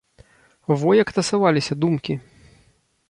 Во як тасаваліся думкі!